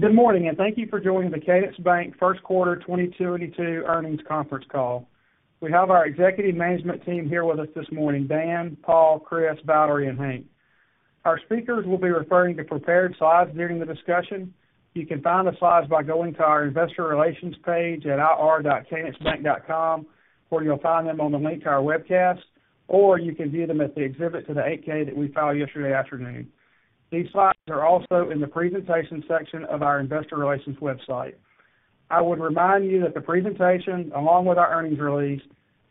Good morning, and thank you for joining the Cadence Bank Q1 2022 earnings conference call. We have our executive management team here with us this morning, Dan, Paul, Chris, Valerie, and Hank. Our speakers will be referring to prepared slides during the discussion. You can find the slides by going to our investor relations page at ir.cadencebank.com, where you'll find them on the link to our webcast, or you can view them at the exhibit to the 8-K that we filed yesterday afternoon. These slides are also in the presentations section of our investor relations website. I would remind you that the presentation, along with our earnings release,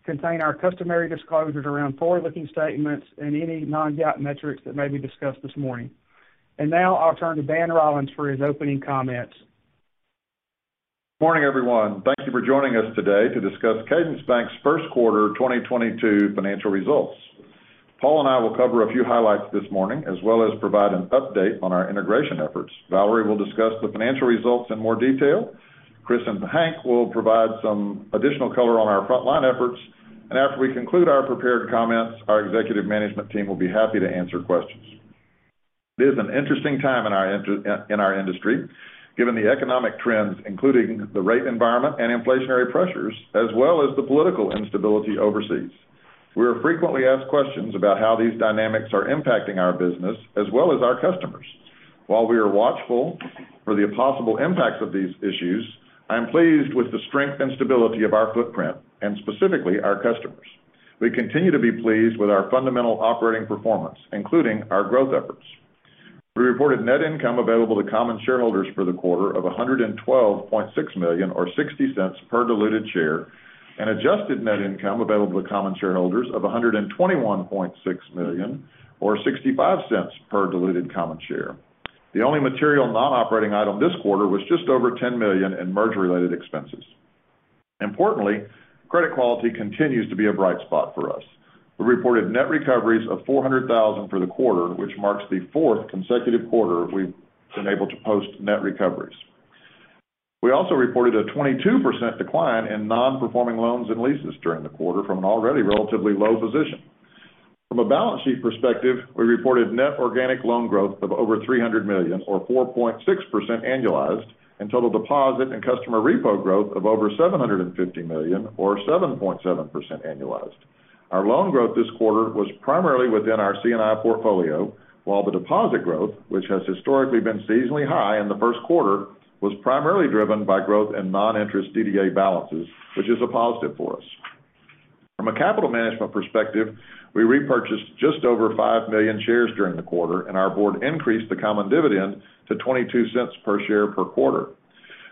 contain our customary disclosures around forward-looking statements and any non-GAAP metrics that may be discussed this morning. Now I'll turn to Dan Rollins for his opening comments. Morning, everyone. Thank you for joining us today to discuss Cadence Bank's Q1 2022 financial results. Paul and I will cover a few highlights this morning, as well as provide an update on our integration efforts. Valerie will discuss the financial results in more detail. Chris and Hank will provide some additional color on our frontline efforts. After we conclude our prepared comments, our executive management team will be happy to answer questions. It is an interesting time in our industry, given the economic trends, including the rate environment and inflationary pressures, as well as the political instability overseas. We are frequently asked questions about how these dynamics are impacting our business as well as our customers. While we are watchful for the possible impacts of these issues, I am pleased with the strength and stability of our footprint, and specifically our customers. We continue to be pleased with our fundamental operating performance, including our growth efforts. We reported net income available to common shareholders for the quarter of $112.6 million or $0.60 per diluted share, and adjusted net income available to common shareholders of $121.6 million or $0.65 per diluted common share. The only material non-operating item this quarter was just over $10 million in merger-related expenses. Importantly, credit quality continues to be a bright spot for us. We reported net recoveries of $400,000 for the quarter, which marks the fourth consecutive quarter we've been able to post net recoveries. We also reported a 22% decline in non-performing loans and leases during the quarter from an already relatively low position. From a balance sheet perspective, we reported net organic loan growth of over $300 million or 4.6% annualized and total deposit and customer repo growth of over $750 million or 7.7% annualized. Our loan growth this quarter was primarily within our C&I portfolio, while the deposit growth, which has historically been seasonally high in the first quarter, was primarily driven by growth in non-interest DDA balances, which is a positive for us. From a capital management perspective, we repurchased just over 5,000,000 shares during the quarter, and our board increased the common dividend to $0.22 per share per quarter,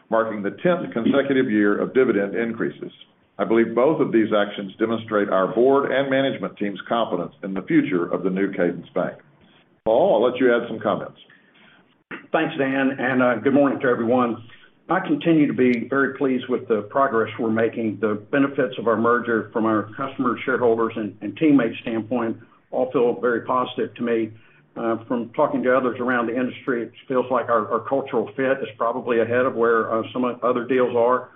marking the 10th consecutive year of dividend increases. I believe both of these actions demonstrate our board and management team's confidence in the future of the new Cadence Bank. Paul, I'll let you add some comments. Thanks, Dan, and good morning to everyone. I continue to be very pleased with the progress we're making. The benefits of our merger from our customer, shareholders and teammates' standpoint all feel very positive to me. From talking to others around the industry, it feels like our cultural fit is probably ahead of where some of other deals are.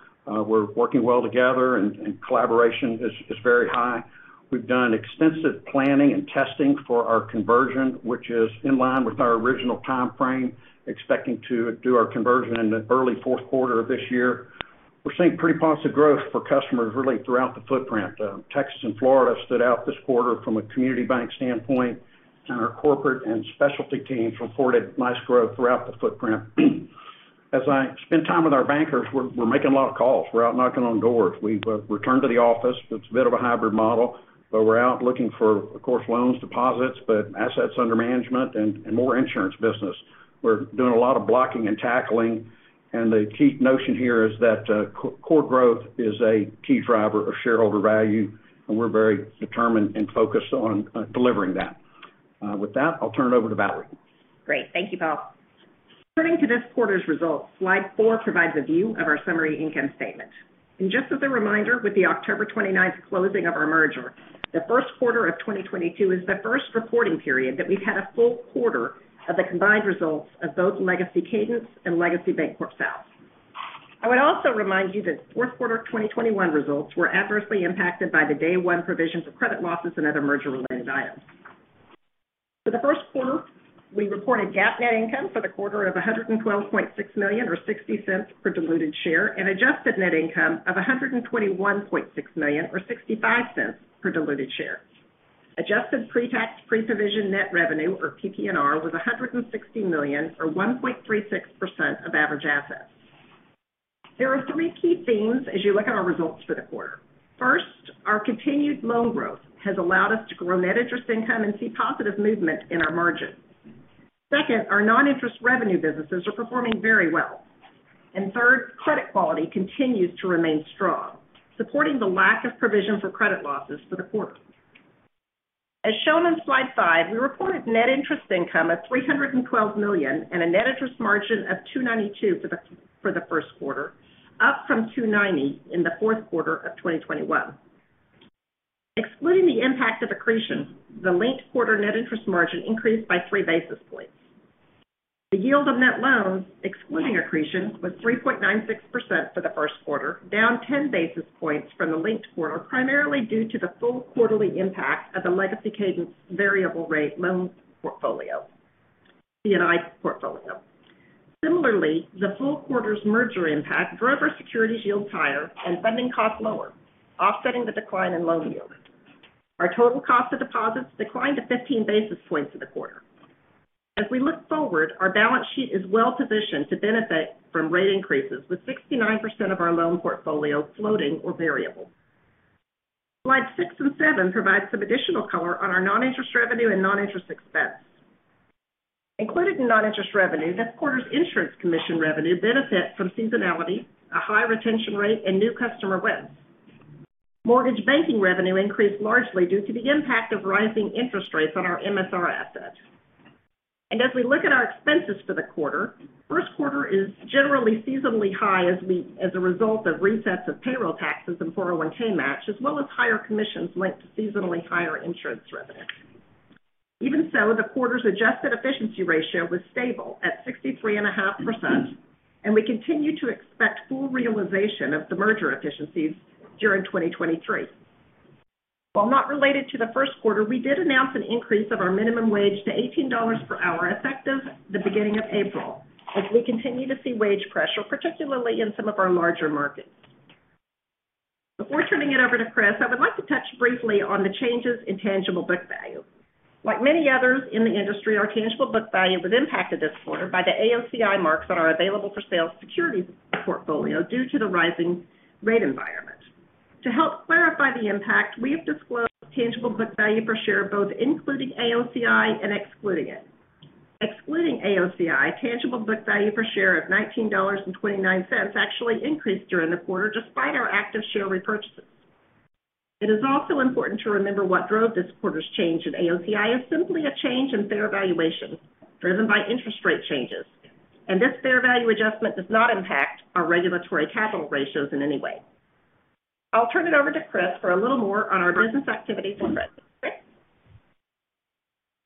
We're working well together and collaboration is very high. We've done extensive planning and testing for our conversion, which is in line with our original timeframe, expecting to do our conversion in the early fourth quarter of this year. We're seeing pretty positive growth for customers really throughout the footprint. Texas and Florida stood out this quarter from a community bank standpoint, and our corporate and specialty teams reported nice growth throughout the footprint. As I spend time with our bankers, we're making a lot of calls. We're out knocking on doors. We've returned to the office. It's a bit of a hybrid model, but we're out looking for, of course, loans, deposits, but assets under management and more insurance business. We're doing a lot of blocking and tackling, and the key notion here is that core growth is a key driver of shareholder value, and we're very determined and focused on delivering that. With that, I'll turn it over to Valerie. Great. Thank you, Paul. Turning to this quarter's results, slide four provides a view of our summary income statement. Just as a reminder, with the October 29th closing of our merger, the Q1 of 2022 is the first reporting period that we've had a full quarter of the combined results of both legacy Cadence and legacy BancorpSouth. I would also remind you that Q4 of 2021 results were adversely impacted by the day one provision for credit losses and other merger-related items. For the Q1, we reported GAAP net income for the quarter of $112.6 million or $0.60 per diluted share, and adjusted net income of $121.6 million or $0.65 per diluted share. Adjusted pre-tax, pre-provision net revenue, or PPNR, was $160 million or 1.36% of average assets. There are three key themes as you look at our results for the quarter. First, our continued loan growth has allowed us to grow net interest income and see positive movement in our margins. Second, our non-interest revenue businesses are performing very well. Third, credit quality continues to remain strong, supporting the lack of provision for credit losses for the quarter. As shown on slide five, we reported net interest income of $312 million and a net interest margin of 2.92% for the Q1, up from 2.90% in the Q4 of 2021. Excluding the impact of accretion, the linked quarter net interest margin increased by 3 basis points. The yield of net loans, excluding accretion, was 3.96% for the Q1, down 10 basis points from the linked quarter, primarily due to the full quarterly impact of the legacy Cadence variable rate loan portfolio, C&I portfolio. Similarly, the full quarter's merger impact drove our securities yield higher and funding costs lower, offsetting the decline in loan yields. Our total cost of deposits declined to 15 basis points for the quarter. As we look forward, our balance sheet is well-positioned to benefit from rate increases, with 69% of our loan portfolio floating or variable. Slides six and seven provide some additional color on our non-interest revenue and non-interest expense. Included in non-interest revenue, this quarter's insurance commission revenue benefit from seasonality, a high retention rate, and new customer wins. Mortgage banking revenue increased largely due to the impact of rising interest rates on our MSR assets. As we look at our expenses for the quarter, Q1 is generally seasonally high as a result of resets of payroll taxes and 401(k) match, as well as higher commissions linked to seasonally higher insurance revenue. Even so, the quarter's adjusted efficiency ratio was stable at 63.5%, and we continue to expect full realization of the merger efficiencies during 2023. While not related to the Q1, we did announce an increase of our minimum wage to $18 per hour, effective the beginning of April, as we continue to see wage pressure, particularly in some of our larger markets. Before turning it over to Chris, I would like to touch briefly on the changes in tangible book value. Like many others in the industry, our tangible book value was impacted this quarter by the AOCI marks on our available for sale securities portfolio due to the rising rate environment. To help clarify the impact, we have disclosed tangible book value per share, both including AOCI and excluding it. Excluding AOCI, tangible book value per share of $19.29 actually increased during the quarter, despite our active share repurchases. It is also important to remember what drove this quarter's change in AOCI is simply a change in fair valuation, driven by interest rate changes. This fair value adjustment does not impact our regulatory capital ratios in any way. I'll turn it over to Chris for a little more on our business activity for credit. Chris?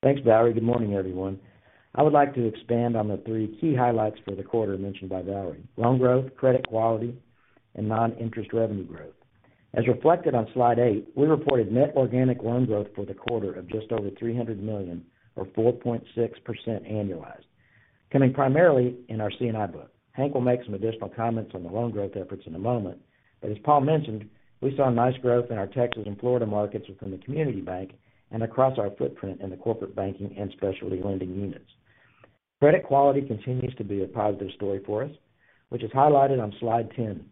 Thanks, Valerie. Good morning, everyone. I would like to expand on the three key highlights for the quarter mentioned by Valerie: loan growth, credit quality, and non-interest revenue growth. As reflected on slide eight, we reported net organic loan growth for the quarter of just over $300 million or 4.6% annualized, coming primarily in our C&I book. Hank will make some additional comments on the loan growth efforts in a moment, but as Paul mentioned, we saw nice growth in our Texas and Florida markets within the community bank and across our footprint in the corporate banking and specialty lending units. Credit quality continues to be a positive story for us, which is highlighted on slide 10.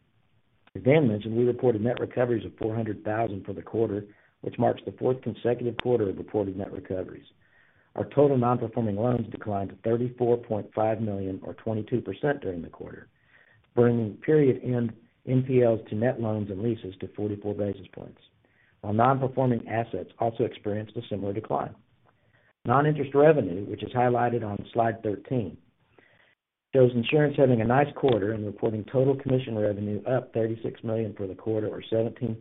As Dan mentioned, we reported net recoveries of $400,000 for the quarter, which marks the fourth consecutive quarter of reported net recoveries. Our total non-performing loans declined to $34.5 million or 22% during the quarter, bringing period end NPLs to net loans and leases to 44 basis points, while non-performing assets also experienced a similar decline. Non-interest revenue, which is highlighted on slide 13, shows insurance having a nice quarter and reporting total commission revenue up $36 million for the quarter or 17%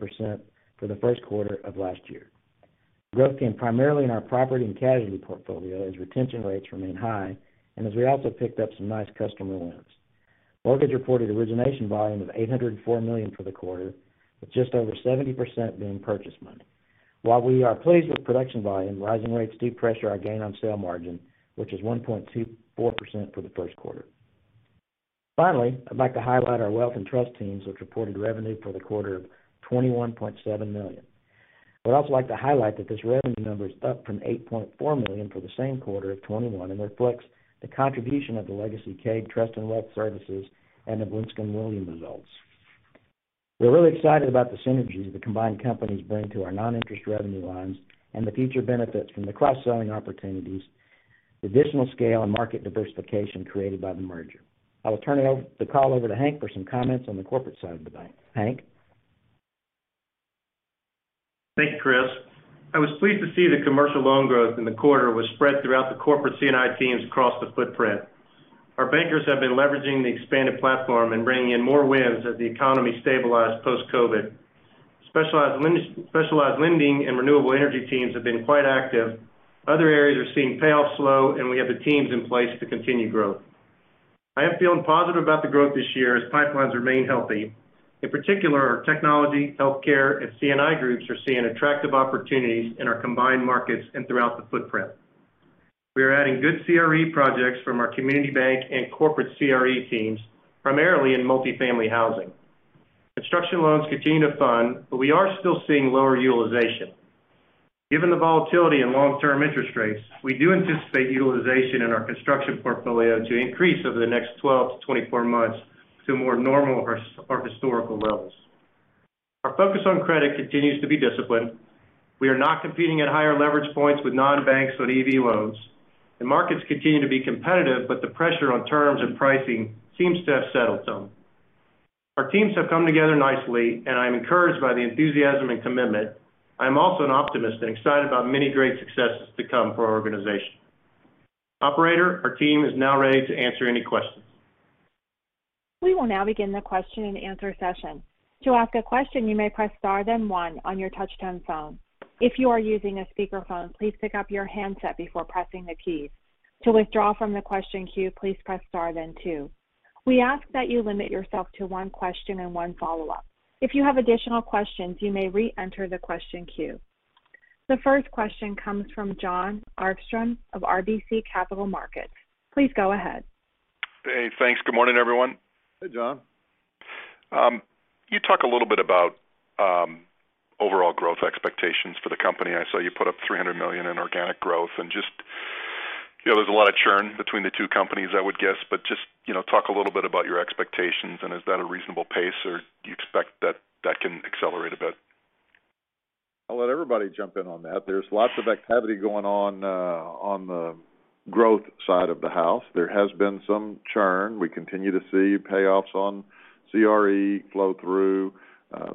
for the Q1 of last year. Growth came primarily in our property and casualty portfolio as retention rates remain high and as we also picked up some nice customer wins. Mortgage reported origination volume of $804 million for the quarter, with just over 70% being purchase money. While we are pleased with production volume, rising rates do pressure our gain on sale margin, which is 1.24% for the Q1. Finally, I'd like to highlight our wealth and trust teams, which reported revenue for the quarter of $21.7 million. I'd also like to highlight that this revenue number is up from $8.4 million for the same quarter of 2021 and reflects the contribution of the legacy Cadence Trust and Wealth Services and the Linscomb & Williams results. We're really excited about the synergies the combined companies bring to our non-interest revenue lines and the future benefits from the cross-selling opportunities, additional scale and market diversification created by the merger. I will turn the call over to Hank for some comments on the corporate side of the bank. Hank? Thank you, Chris. I was pleased to see the commercial loan growth in the quarter was spread throughout the corporate C&I teams across the footprint. Our bankers have been leveraging the expanded platform and bringing in more wins as the economy stabilized post-COVID. Specialized lending and renewable energy teams have been quite active. Other areas are seeing payoffs slow, and we have the teams in place to continue growth. I am feeling positive about the growth this year as pipelines remain healthy. In particular, our technology, healthcare, and C&I groups are seeing attractive opportunities in our combined markets and throughout the footprint. We are adding good CRE projects from our community bank and corporate CRE teams, primarily in multifamily housing. Construction loans continue to fund, but we are still seeing lower utilization. Given the volatility in long-term interest rates, we do anticipate utilization in our construction portfolio to increase over the next 12-24 months to more normal or historical levels. Our focus on credit continues to be disciplined. We are not competing at higher leverage points with non-banks on leveraged loans. The markets continue to be competitive, but the pressure on terms and pricing seems to have settled some. Our teams have come together nicely, and I'm encouraged by the enthusiasm and commitment. I am also an optimist and excited about many great successes to come for our organization. Operator, our team is now ready to answer any questions. We will now begin the question and answer session. To ask a question, you may press star then one on your touch-tone phone. If you are using a speakerphone, please pick up your handset before pressing the keys. To withdraw from the question queue, please press star then two. We ask that you limit yourself to one question and one follow-up. If you have additional questions, you may re-enter the question queue. The first question comes from Jon Arfstrom of RBC Capital Markets. Please go ahead. Hey, thanks. Good morning, everyone. Hey, Jon. You talk a little bit about overall growth expectations for the company. I saw you put up $300 million in organic growth, and just, you know, there's a lot of churn between the two companies, I would guess. Just, you know, talk a little bit about your expectations, and is that a reasonable pace, or do you expect that can accelerate a bit? I'll let everybody jump in on that. There's lots of activity going on the growth side of the house. There has been some churn. We continue to see payoffs on CRE flow through.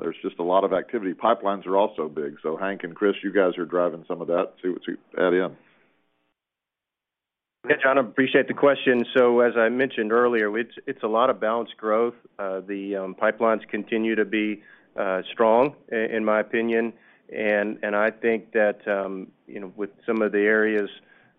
There's just a lot of activity. Pipelines are also big. Hank and Chris, you guys are driving some of that, see what you add in. Yeah, Jon, I appreciate the question. As I mentioned earlier, it's a lot of balanced growth. The pipelines continue to be strong in my opinion. I think that, you know, with some of the areas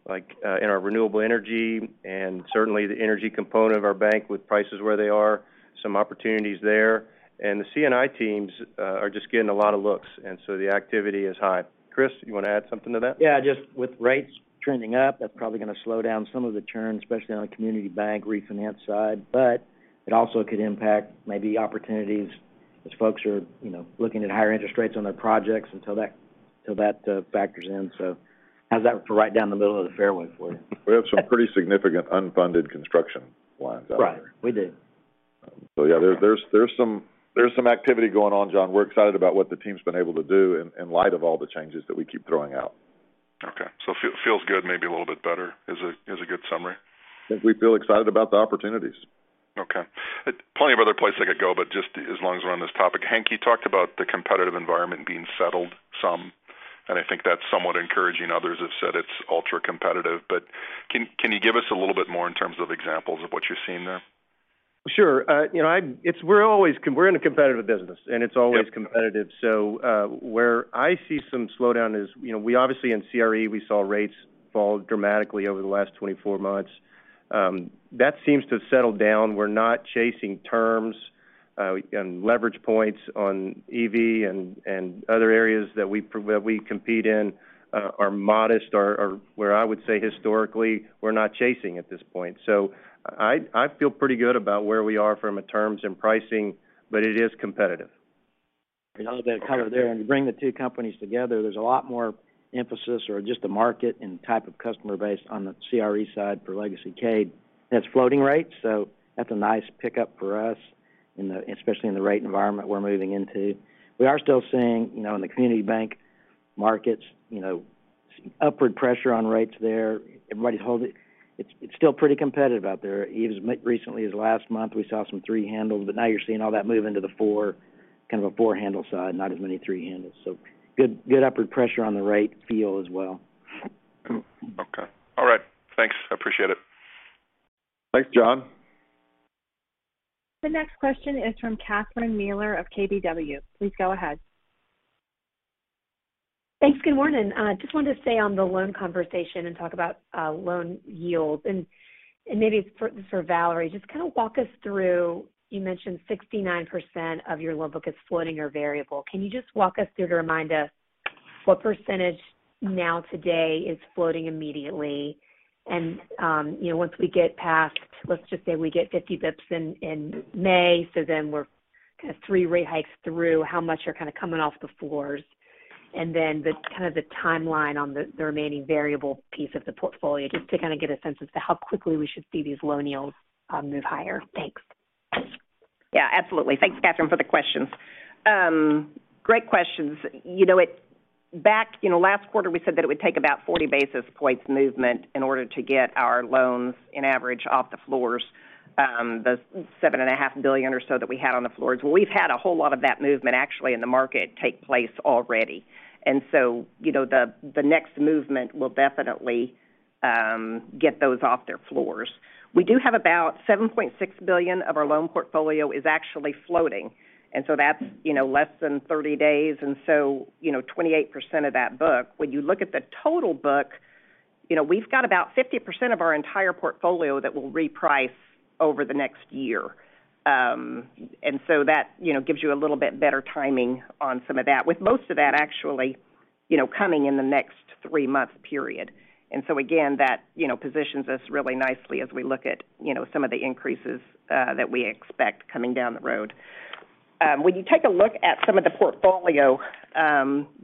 like in our renewable energy and certainly the energy component of our bank with prices where they are, some opportunities there. The C&I teams are just getting a lot of looks, and the activity is high. Chris, you want to add something to that? Yeah, just with rates trending up, that's probably going to slow down some of the churn, especially on the community bank refinance side. But it also could impact maybe opportunities as folks are, you know, looking at higher interest rates on their projects until that factors in. How's that for right down the middle of the fairway for you? We have some pretty significant unfunded construction lines out there. Right. We do. Yeah, there's some activity going on, Jon. We're excited about what the team's been able to do in light of all the changes that we keep throwing out. Okay. Feels good, maybe a little bit better is a good summary. I think we feel excited about the opportunities. Okay. Plenty of other places I could go, but just as long as we're on this topic. Hank, you talked about the competitive environment being settled some, and I think that's somewhat encouraging. Others have said it's ultra-competitive. Can you give us a little bit more in terms of examples of what you're seeing there? Sure. You know, we're in a competitive business, and it's always competitive. Yeah. Where I see some slowdown is, you know, we obviously in CRE, we saw rates fall dramatically over the last 24 months. That seems to have settled down. We're not chasing terms, and leverage points on EV and other areas that we compete in are modest or where I would say historically, we're not chasing at this point. I feel pretty good about where we are from a terms and pricing, but it is competitive. A little bit of color there, and to bring the two companies together, there's a lot more emphasis or just the market and type of customer base on the CRE side for legacy Cadence. That's floating rates, so that's a nice pickup for us, especially in the rate environment we're moving into. We are still seeing, you know, in the community bank markets, you know, upward pressure on rates there. Everybody's holding. It's still pretty competitive out there. As recently as last month, we saw some three handles, but now you're seeing all that move into the four, kind of a four handle side, not as many three handles. So good upward pressure on the rate feel as well. Okay. All right. Thanks, I appreciate it. Thanks, Jon. The next question is from Catherine Mealor of KBW. Please go ahead. Thanks. Good morning. Just wanted to stay on the loan conversation and talk about loan yields. Maybe it's for Valerie, just kind of walk us through, you mentioned 69% of your loan book is floating or variable. Can you just walk us through to remind us what percentage now today is floating immediately? You know, once we get past, let's just say we get 50 basis points in May, so then we're kind of three rate hikes through, how much are kind of coming off the floors? The timeline on the remaining variable piece of the portfolio, just to kind of get a sense as to how quickly we should see these loan yields move higher. Thanks. Yeah, absolutely. Thanks, Katherine, for the questions. Great questions. You know, back, you know, last quarter, we said that it would take about 40 basis points movement in order to get our loans in average off the floors, the $7.5 billion or so that we had on the floors. Well, we've had a whole lot of that movement actually in the market take place already. You know, the next movement will definitely get those off their floors. We do have about $7.6 billion of our loan portfolio that is actually floating. That's, you know, less than 30 days. You know, 28% of that book. When you look at the total book, you know, we've got about 50% of our entire portfolio that will reprice over the next year. That, you know, gives you a little bit better timing on some of that, with most of that actually, you know, coming in the next three month period. Again, that, you know, positions us really nicely as we look at, you know, some of the increases that we expect coming down the road. When you take a look at some of the portfolio,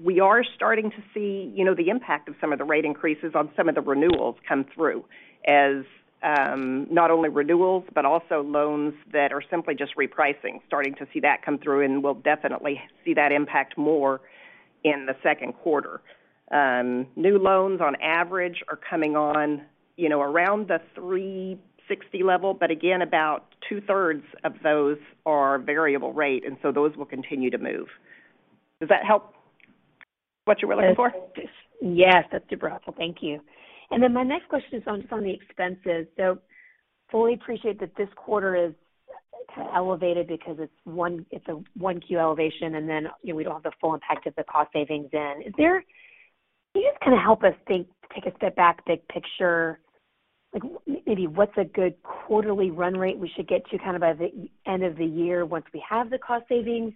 we are starting to see, you know, the impact of some of the rate increases on some of the renewals come through as not only renewals, but also loans that are simply just repricing, starting to see that come through, and we'll definitely see that impact more in the Q2. New loans on average are coming on, you know, around the 3.60% level, but again, about 2/3 of those are variable rate, and so those will continue to move. Does that help what you were looking for? Yes, that's super helpful. Thank you. My next question is on some of the expenses. Fully appreciate that this quarter is kind of elevated because it's a 1Q elevation, and then, you know, we don't have the full impact of the cost savings in. Can you just kind of help us think, take a step back, big picture. Like, maybe what's a good quarterly run rate we should get to kind of by the end of the year once we have the cost savings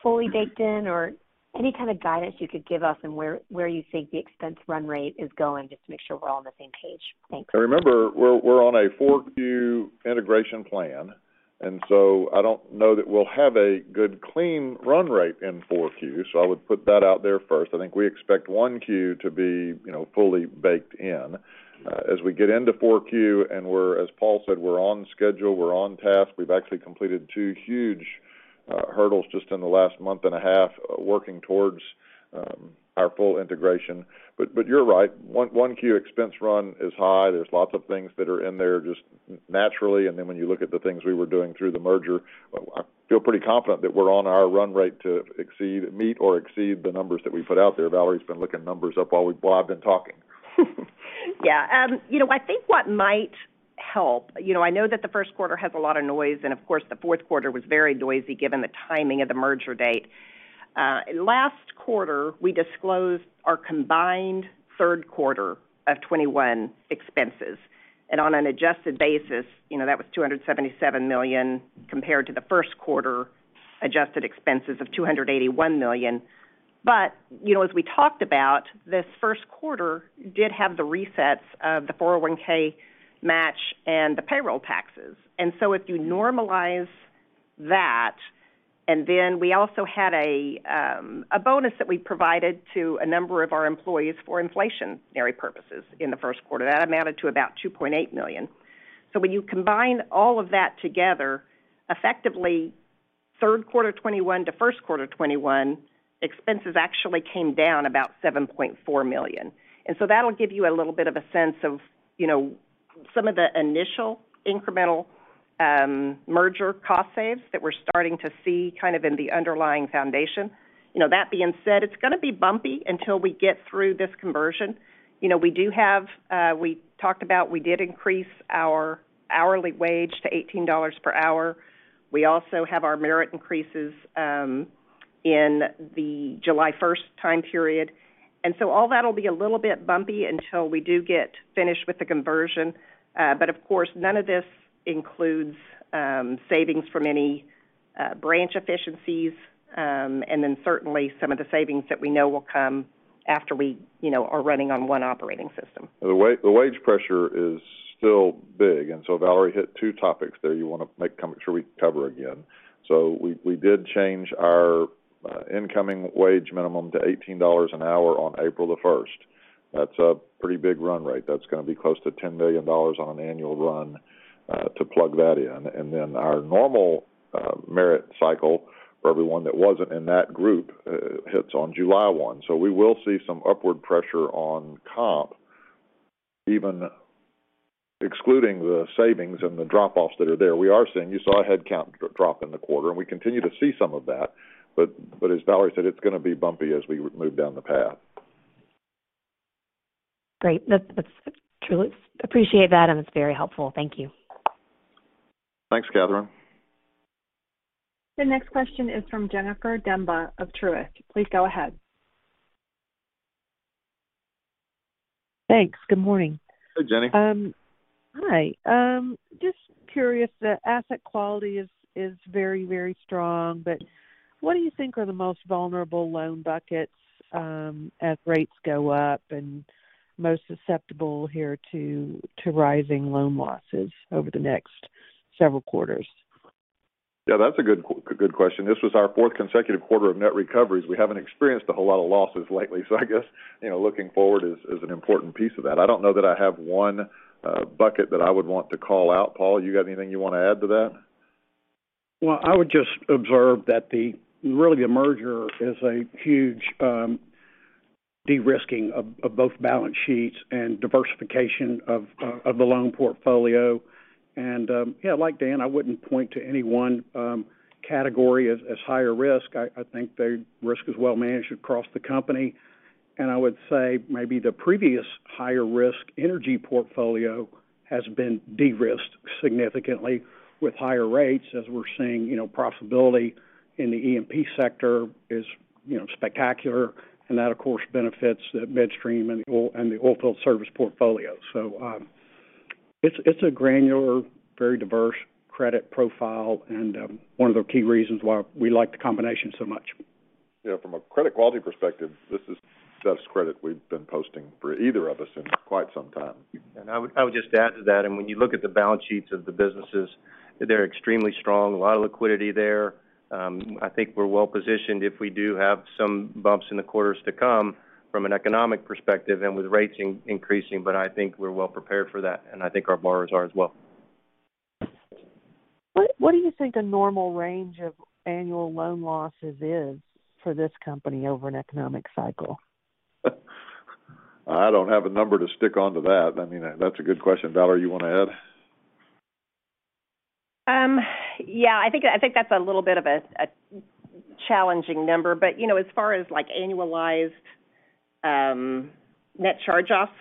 fully baked in, or any kind of guidance you could give us on where you think the expense run rate is going, just to make sure we're all on the same page. Thanks. Remember, we're on a 4Q integration plan, so I don't know that we'll have a good clean run rate in 4Q. I would put that out there first. I think we expect 1Q to be, you know, fully baked in, as we get into 4Q, and, as Paul said, we're on schedule, we're on task. We've actually completed two huge hurdles just in the last month and a half working towards our full integration. But you're right, 1Q expense run is high. There's lots of things that are in there just naturally. When you look at the things we were doing through the merger, I feel pretty confident that we're on our run rate to meet or exceed the numbers that we put out there. Valerie's been looking numbers up while I've been talking. Yeah. You know, I think what might help, you know, I know that the Q1 has a lot of noise, and of course, the Q4 was very noisy given the timing of the merger date. Last quarter, we disclosed our combined Q3 of 2021 expenses. On an adjusted basis, you know, that was $277 million compared to the Q1 adjusted expenses of $281 million. You know, as we talked about, this first quarter did have the resets of the 401(k) match and the payroll taxes. If you normalize that, and then we also had a bonus that we provided to a number of our employees for inflationary purposes in the first quarter. That amounted to about $2.8 million. When you combine all of that together, effectively Q3 2021 to Q1 2021, expenses actually came down about $7.4 million. That'll give you a little bit of a sense of, you know, some of the initial incremental merger cost saves that we're starting to see kind of in the underlying foundation. You know, that being said, it's gonna be bumpy until we get through this conversion. You know, we do have, we talked about we did increase our hourly wage to $18 per hour. We also have our merit increases in the July first time period. All that'll be a little bit bumpy until we do get finished with the conversion. Of course, none of this includes savings from any branch efficiencies, and then certainly some of the savings that we know will come after we, you know, are running on one operating system. The wage pressure is still big. Valerie hit two topics there you wanna make sure we cover again. We did change our incoming wage minimum to $18 an hour on April 1st. That's a pretty big run rate. That's gonna be close to $10 million on an annual run to plug that in. Our normal merit cycle for everyone that wasn't in that group hits on July 1. We will see some upward pressure on comp, even excluding the savings and the drop-offs that are there. You saw a headcount drop in the quarter, and we continue to see some of that. As Valerie said, it's gonna be bumpy as we move down the path. Great. I truly appreciate that, and it's very helpful. Thank you. Thanks, Catherine. The next question is from Jennifer Demba of Truist. Please go ahead. Thanks. Good morning. Hey, Jennifer. Hi. Just curious, the asset quality is very, very strong, but what do you think are the most vulnerable loan buckets, as rates go up and most susceptible here to rising loan losses over the next several quarters? Yeah, that's a good question. This was our fourth consecutive quarter of net recoveries. We haven't experienced a whole lot of losses lately. I guess, you know, looking forward is an important piece of that. I don't know that I have one bucket that I would want to call out. Paul, you got anything you wanna add to that? Well, I would just observe that really the merger is a huge de-risking of both balance sheets and diversification of the loan portfolio. Yeah, like Dan, I wouldn't point to any one category as higher risk. I think the risk is well managed across the company. I would say maybe the previous higher risk energy portfolio has been de-risked significantly with higher rates. As we're seeing, you know, profitability in the E&P sector is, you know, spectacular, and that, of course, benefits the midstream and the oilfield service portfolio. It's a granular, very diverse credit profile and one of the key reasons why we like the combination so much. You know, from a credit quality perspective, this is the best credit we've been posting for either of us in quite some time. I would just add to that. When you look at the balance sheets of the businesses, they're extremely strong. A lot of liquidity there. I think we're well-positioned if we do have some bumps in the quarters to come from an economic perspective and with rates increasing, but I think we're well prepared for that, and I think our borrowers are as well. What do you think a normal range of annual loan losses is for this company over an economic cycle? I don't have a number to stick onto that. I mean, that's a good question. Valerie, you wanna add? Yeah, I think that's a little bit of a challenging number. You know, as far as like annualized net charge-offs,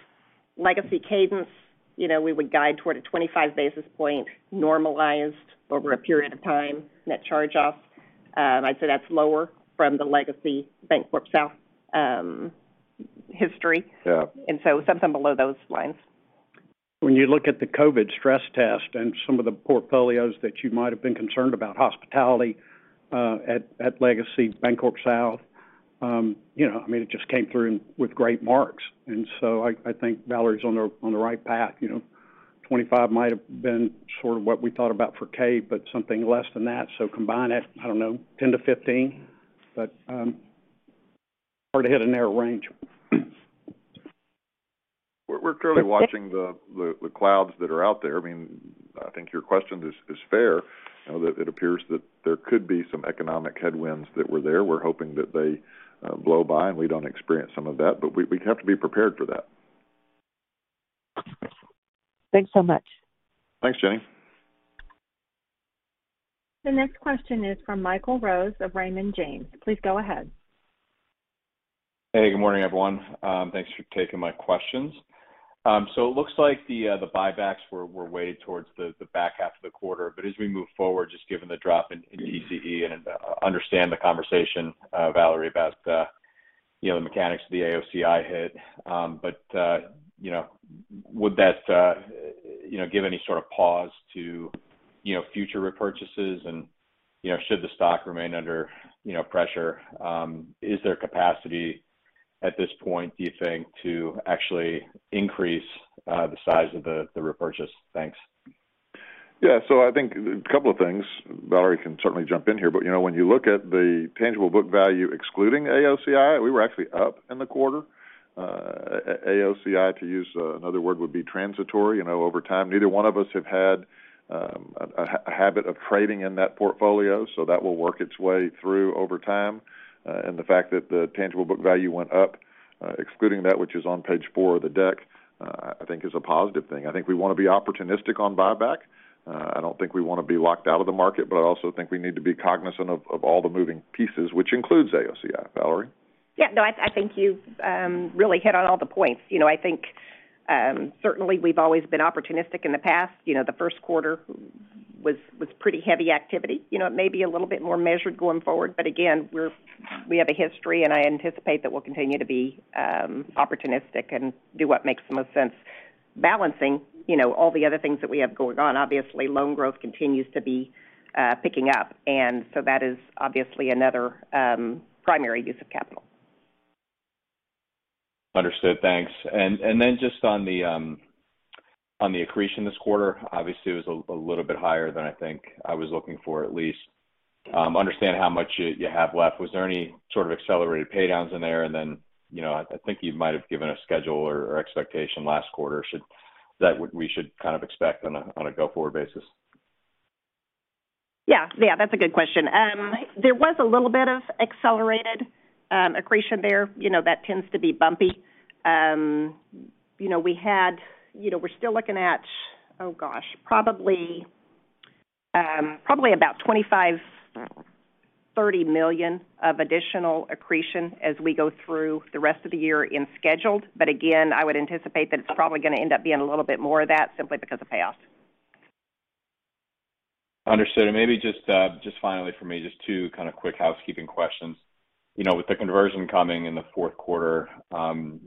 legacy Cadence, you know, we would guide toward a 25 basis point normalized over a period of time net charge-offs. I'd say that's lower than the legacy BancorpSouth history. Yeah. Something below those lines. When you look at the COVID stress test and some of the portfolios that you might have been concerned about hospitality at legacy BancorpSouth, you know, I mean, it just came through with great marks. I think Valerie's on the right path. You know, 25 might have been sort of what we thought about for K, but something less than that. Combine that, I don't know, 10-15, but hard to hit a narrow range. We're clearly watching the clouds that are out there. I mean, I think your question is fair. You know, that it appears that there could be some economic headwinds that were there. We're hoping that they blow by, and we don't experience some of that, but we have to be prepared for that. Thanks so much. Thanks, Jenny. The next question is from Michael Rose of Raymond James. Please go ahead. Hey, good morning, everyone. Thanks for taking my questions. So it looks like the buybacks were weighed towards the back half of the quarter. As we move forward, just given the drop in TCE, and I understand the conversation, Valerie, about, you know, the mechanics of the AOCI hit. You know, would that, you know, give any sort of pause to, you know, future repurchases and, you know, should the stock remain under, you know, pressure? Is there capacity at this point, do you think, to actually increase the size of the repurchase? Thanks. Yeah. I think a couple of things. Valerie can certainly jump in here. You know, when you look at the tangible book value excluding AOCI, we were actually up in the quarter. AOCI, to use another word, would be transitory. You know, over time, neither one of us have had a habit of trading in that portfolio, so that will work its way through over time. The fact that the tangible book value went up excluding that, which is on page four of the deck, I think is a positive thing. I think we want to be opportunistic on buyback. I don't think we want to be locked out of the market, but I also think we need to be cognizant of all the moving pieces, which includes AOCI. Valerie. Yeah. No, I think you've really hit on all the points. You know, I think certainly we've always been opportunistic in the past. You know, the first quarter was pretty heavy activity. You know, it may be a little bit more measured going forward, but again, we have a history, and I anticipate that we'll continue to be opportunistic and do what makes the most sense. Balancing, you know, all the other things that we have going on. Obviously, loan growth continues to be picking up, and so that is obviously another primary use of capital. Understood. Thanks. Then just on the accretion this quarter, obviously it was a little bit higher than I think I was looking for at least. I understand how much you have left. Was there any sort of accelerated pay downs in there? You know, I think you might have given a schedule or expectation last quarter that we should kind of expect on a go-forward basis. Yeah. Yeah, that's a good question. There was a little bit of accelerated accretion there. You know, that tends to be bumpy. You know, we're still looking at, oh, gosh, probably about $25 million, $30 million of additional accretion as we go through the rest of the year in scheduled. But again, I would anticipate that it's probably gonna end up being a little bit more of that simply because of payoffs. Understood. Maybe just finally for me, just two kind of quick housekeeping questions. You know, with the conversion coming in the Q4,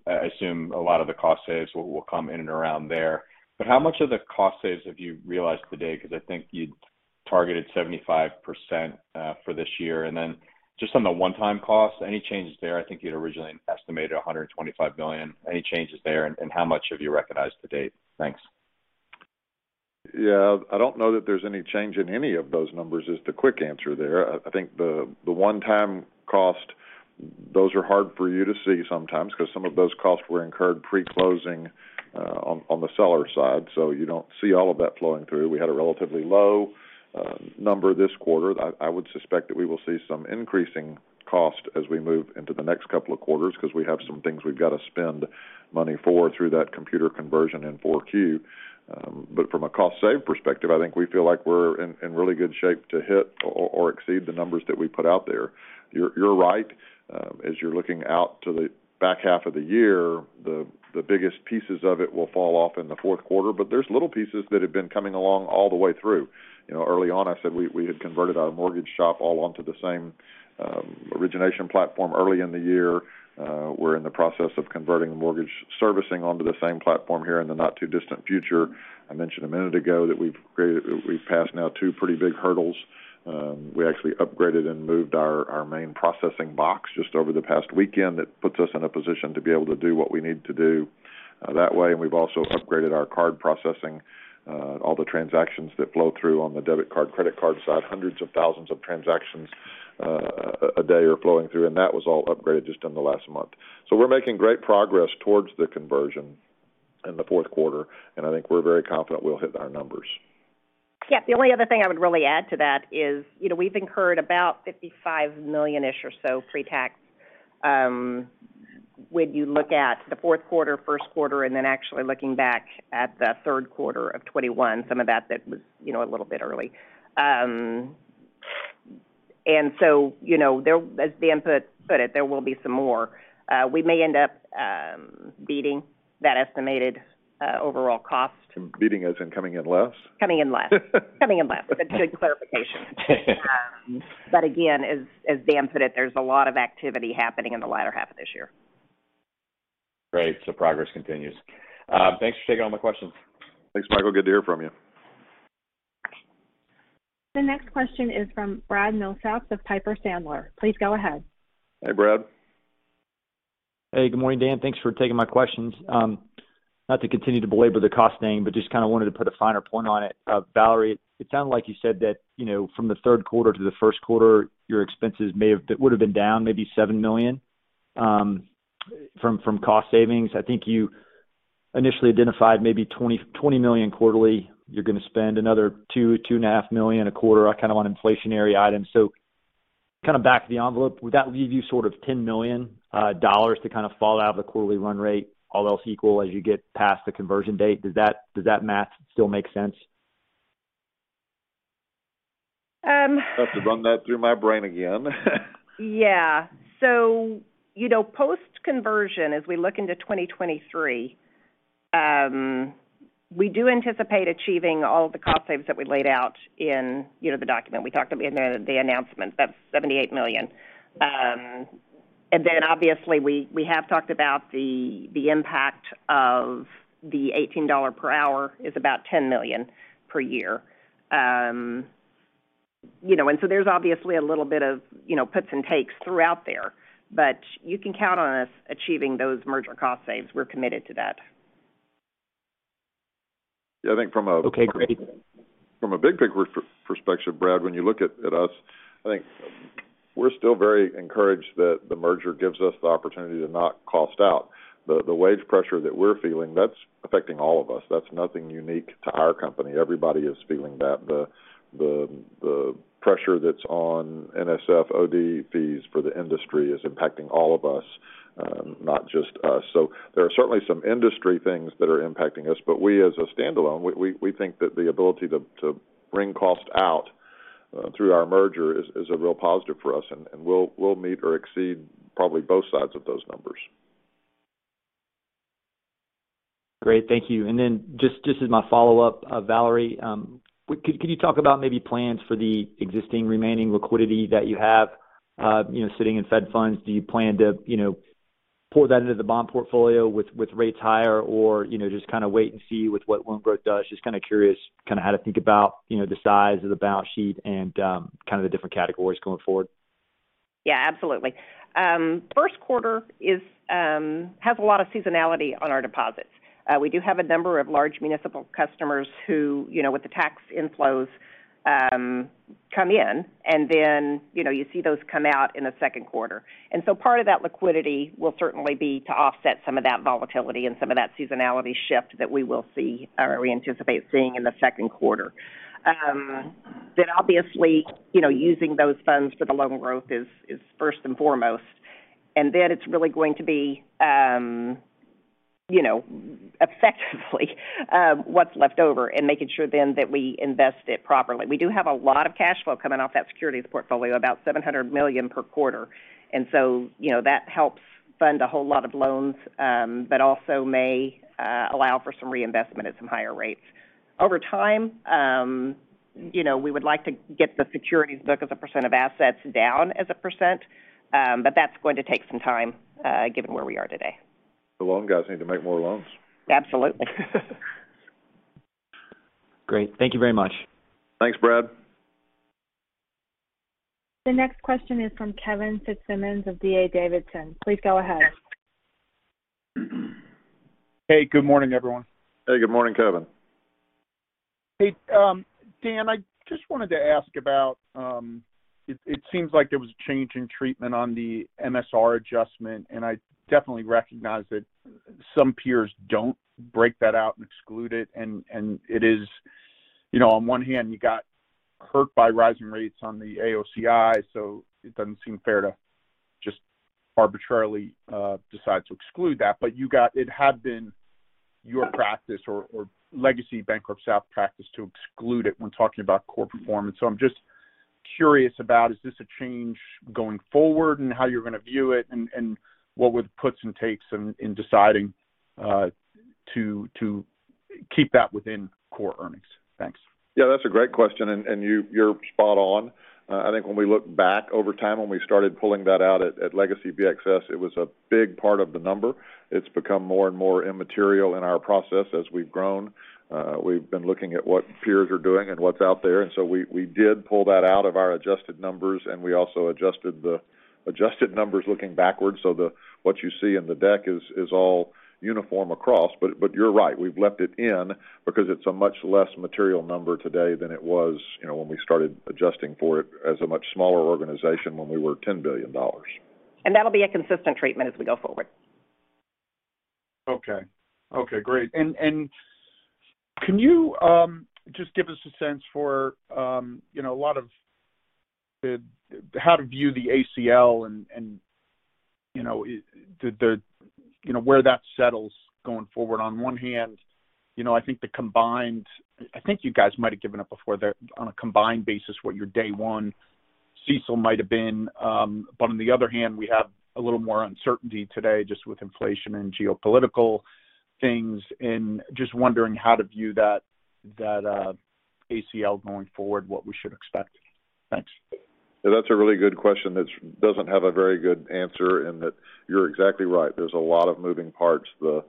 I assume a lot of the cost saves will come in and around there. How much of the cost saves have you realized to date? Because I think you'd targeted 75% for this year. Then just on the one-time cost, any changes there? I think you'd originally estimated $125 million. Any changes there? How much have you recognized to date? Thanks. Yeah. I don't know that there's any change in any of those numbers is the quick answer there. I think the one-time cost, those are hard for you to see sometimes because some of those costs were incurred pre-closing, on the seller side. You don't see all of that flowing through. We had a relatively low number this quarter. I would suspect that we will see some increasing cost as we move into the next couple of quarters because we have some things we've got to spend money for through that computer conversion in 4Q. From a cost save perspective, I think we feel like we're in really good shape to hit or exceed the numbers that we put out there. You're right. As you're looking out to the back half of the year, the biggest pieces of it will fall off in the Q4. There's little pieces that have been coming along all the way through. You know, early on, I said we had converted our mortgage shop all onto the same origination platform early in the year. We're in the process of converting the mortgage servicing onto the same platform here in the not too distant future. I mentioned a minute ago that we've passed now two pretty big hurdles. We actually upgraded and moved our main processing box just over the past weekend. That puts us in a position to be able to do what we need to do that way. We've also upgraded our card processing, all the transactions that flow through on the debit card, credit card side. Hundreds of thousands of transactions a day are flowing through, and that was all upgraded just in the last month. We're making great progress towards the conversion in the Q4, and I think we're very confident we'll hit our numbers. Yeah. The only other thing I would really add to that is, you know, we've incurred about $55 million-ish or so pre-tax. When you look at the Q4, Q1, and then actually looking back at the Q3 of 2021, some of that was, you know, a little bit early. So, you know, there—as Dan put it, there will be some more. We may end up beating that estimated overall cost. Beating as in coming in less? Coming in less. That's a good clarification. Again, as Dan put it, there's a lot of activity happening in the latter half of this year. Great. Progress continues. Thanks for taking all my questions. Thanks, Michael. Good to hear from you. The next question is from Brad Milsaps of Piper Sandler. Please go ahead. Hey, Brad. Hey, good morning, Dan. Thanks for taking my questions. Not to continue to belabor the cost thing, but just kind of wanted to put a finer point on it. Valerie, it sounded like you said that, you know, from the Q3 to the Q1, your expenses would have been down maybe $7 million from cost savings. I think you initially identified maybe $20 million quarterly. You're gonna spend another $2.5 million a quarter kind of on inflationary items. Kind of back of the envelope, would that leave you sort of $10 million to kind of fall out of the quarterly run rate, all else equal as you get past the conversion date? Does that math still make sense? I'll have to run that through my brain again. Yeah. You know, post conversion, as we look into 2023, we do anticipate achieving all of the cost saves that we laid out in, you know, the document. We talked, we made the announcement. That's $78 million. And then obviously we have talked about the impact of the $18 per hour is about $10 million per year. You know, there's obviously a little bit of, you know, puts and takes throughout there, but you can count on us achieving those merger cost saves. We're committed to that. Okay great. From a big picture perspective, Brad, when you look at us, I think we're still very encouraged that the merger gives us the opportunity to cost out. The wage pressure that we're feeling, that's affecting all of us. That's nothing unique to our company. Everybody is feeling that. The pressure that's on NSF OD fees for the industry is impacting all of us, not just us. There are certainly some industry things that are impacting us. We as a standalone, we think that the ability to wring cost out through our merger is a real positive for us, and we'll meet or exceed probably both sides of those numbers. Great. Thank you. Just as my follow-up, Valerie, could you talk about maybe plans for the existing remaining liquidity that you have, you know, sitting in Fed funds? Do you plan to, you know, pour that into the bond portfolio with rates higher or, you know, just kind of wait and see with what loan growth does? Just kind of curious kind of how to think about, you know, the size of the balance sheet and kind of the different categories going forward. Yeah, absolutely. Q1 has a lot of seasonality on our deposits. We do have a number of large municipal customers who, you know, with the tax inflows, come in, and then, you know, you see those come out in the Q2. Part of that liquidity will certainly be to offset some of that volatility and some of that seasonality shift that we will see or we anticipate seeing in the Q2. Obviously, you know, using those funds for the loan growth is first and foremost. It's really going to be, you know, effectively, what's left over and making sure then that we invest it properly. We do have a lot of cash flow coming off that securities portfolio, about $700 million per quarter. You know, that helps fund a whole lot of loans, but also may allow for some reinvestment at some higher rates. Over time, you know, we would like to get the securities book as a percent of assets down as a percent, but that's going to take some time, given where we are today. The loan guys need to make more loans. Absolutely. Great. Thank you very much. Thanks, Brad. The next question is from Kevin Fitzsimmons of D.A. Davidson. Please go ahead. Hey, good morning, everyone. Hey, good morning, Kevin. Hey, Dan, I just wanted to ask about, it seems like there was a change in treatment on the MSR adjustment, and I definitely recognize that some peers don't break that out and exclude it. It is, you know, on one hand, you got hurt by rising rates on the AOCI, so it doesn't seem fair to just arbitrarily decide to exclude that. It had been your practice or legacy BancorpSouth practice to exclude it when talking about core performance. I'm just curious about, is this a change going forward and how you're going to view it? What would the puts and takes in deciding to keep that within core earnings? Thanks. Yeah, that's a great question, and you're spot on. I think when we look back over time when we started pulling that out at legacy BXS, it was a big part of the number. It's become more and more immaterial in our process as we've grown. We've been looking at what peers are doing and what's out there, and so we did pull that out of our adjusted numbers, and we also adjusted the adjusted numbers looking backwards. What you see in the deck is all uniform across. You're right, we've left it in because it's a much less material number today than it was, you know, when we started adjusting for it as a much smaller organization when we were $10 billion. That'll be a consistent treatment as we go forward. Okay, great. Can you just give us a sense for, you know, how to view the ACL and where that settles going forward. On one hand, you know, I think you guys might have given it before there on a combined basis, what your day one CECL might have been. On the other hand, we have a little more uncertainty today just with inflation and geopolitical things. Just wondering how to view that ACL going forward, what we should expect. Thanks. That's a really good question that doesn't have a very good answer in that you're exactly right. There's a lot of moving parts. The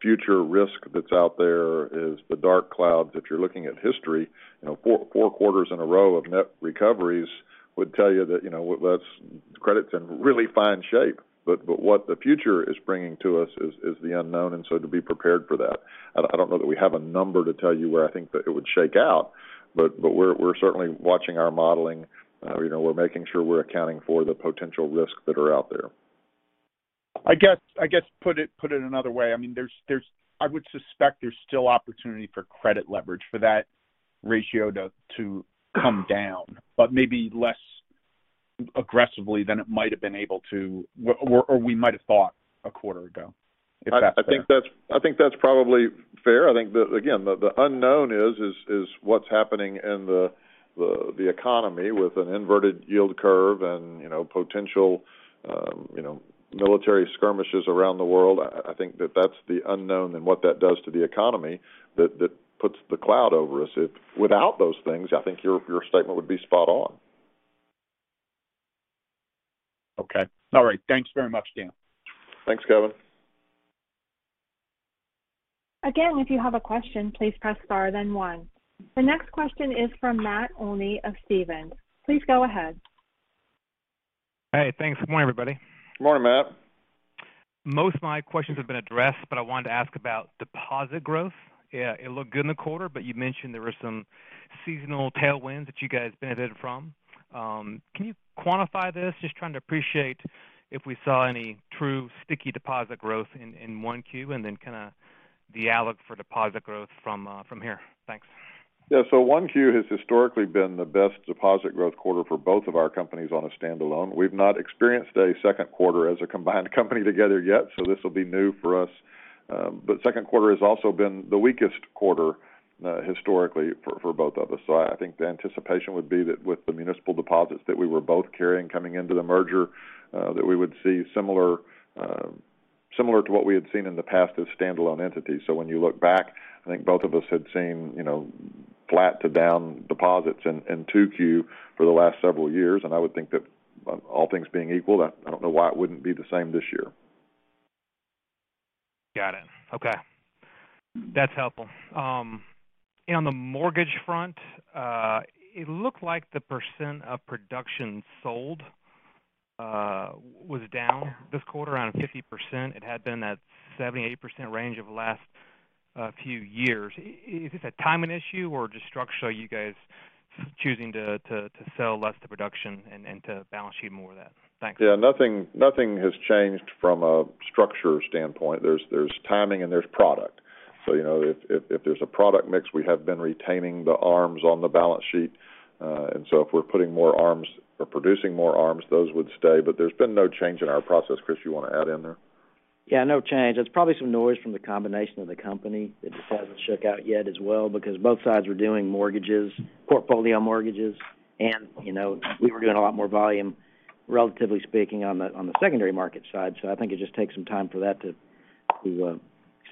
future risk that's out there is the dark clouds. If you're looking at history, you know, four quarters in a row of net recoveries would tell you that, you know what, that's credit's in really fine shape. But what the future is bringing to us is the unknown, and so to be prepared for that. I don't know that we have a number to tell you where I think that it would shake out, but we're certainly watching our modeling. You know, we're making sure we're accounting for the potential risks that are out there. I guess put it another way. I mean, I would suspect there's still opportunity for credit leverage for that ratio to come down, but maybe less aggressively than it might have been able to or we might have thought a quarter ago, if that's fair. I think that's probably fair. I think the unknown is what's happening in the economy with an inverted yield curve and, you know, potential, you know, military skirmishes around the world. I think that's the unknown and what that does to the economy that puts the cloud over us. If without those things, I think your statement would be spot on. Okay. All right. Thanks very much, Dan. Thanks, Kevin. Again, if you have a question, please press star then one. The next question is from Matt Olney of Stephens. Please go ahead. Hey, thanks. Good morning, everybody. Good morning, Matt. Most of my questions have been addressed, but I wanted to ask about deposit growth. It looked good in the quarter, but you mentioned there were some seasonal tailwinds that you guys benefited from. Can you quantify this? Just trying to appreciate if we saw any true sticky deposit growth in 1Q and then kinda the outlook for deposit growth from here. Thanks. Yeah. 1Q has historically been the best deposit growth quarter for both of our companies on a standalone. We've not experienced a Q2 as a combined company together yet, this will be new for us. Q2 has also been the weakest quarter historically for both of us. I think the anticipation would be that with the municipal deposits that we were both carrying coming into the merger, that we would see similar to what we had seen in the past as standalone entities. When you look back, I think both of us had seen, you know, flat to down deposits in 2Q for the last several years, and I would think that all things being equal, I don't know why it wouldn't be the same this year. Got it. Okay. That's helpful. On the mortgage front, it looked like the percent of production sold was down this quarter around 50%. It had been that 70%-80% range over the last few years. Is this a timing issue or just structural, you guys choosing to sell less to production and to balance sheet more of that? Thanks. Yeah, nothing has changed from a structure standpoint. There's timing and there's product. You know, if there's a product mix, we have been retaining the arms on the balance sheet. If we're putting more arms or producing more arms, those would stay. There's been no change in our process. Chris, you wanna add in there? Yeah, no change. There's probably some noise from the combination of the company that just hasn't shook out yet as well because both sides were doing mortgages, portfolio mortgages and, you know, we were doing a lot more volume, relatively speaking on the secondary market side. I think it just takes some time for that to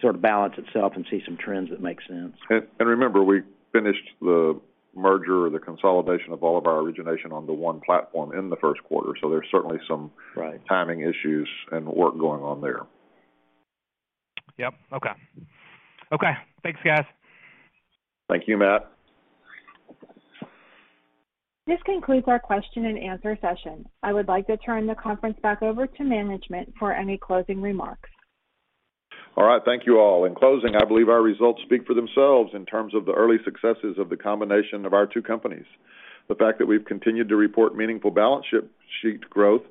sort of balance itself and see some trends that make sense. Remember, we finished the merger or the consolidation of all of our origination on the one platform in the Q1. There's certainly some- Right. Timing issues and work going on there. Yep. Okay. Okay. Thanks, guys. Thank you, Matt. This concludes our question and answer session. I would like to turn the conference back over to management for any closing remarks. All right. Thank you all. In closing, I believe our results speak for themselves in terms of the early successes of the combination of our two companies. The fact that we've continued to report meaningful balance sheet growth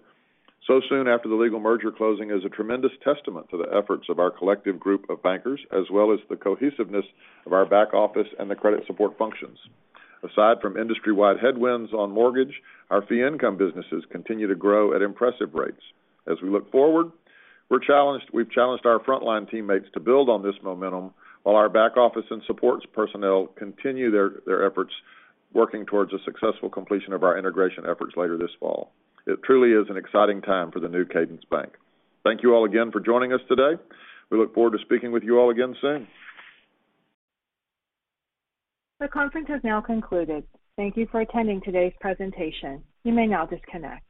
so soon after the legal merger closing is a tremendous testament to the efforts of our collective group of bankers, as well as the cohesiveness of our back office and the credit support functions. Aside from industry-wide headwinds on mortgage, our fee income businesses continue to grow at impressive rates. As we look forward, we've challenged our frontline teammates to build on this momentum while our back office and support personnel continue their efforts working towards a successful completion of our integration efforts later this fall. It truly is an exciting time for the new Cadence Bank. Thank you all again for joining us today. We look forward to speaking with you all again soon. The conference has now concluded. Thank you for attending today's presentation. You may now disconnect.